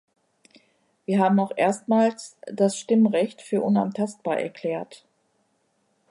Wir haben auch erstmals das Stimmrecht für unantastbar erklärt.